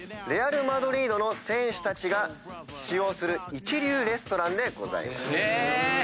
レアル・マドリードの選手たちが使用する一流レストランでございます。